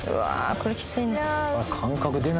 これきついな。